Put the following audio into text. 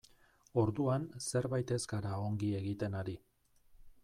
Orduan zerbait ez gara ongi egiten ari.